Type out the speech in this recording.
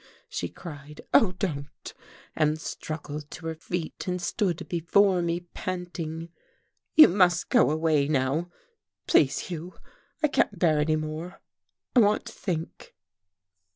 she cried. "Oh, don't!" and struggled to her feet and stood before me panting. "You must go away now please, Hugh. I can't bear any more I want to think."